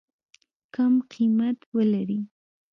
کم قیمت ولري.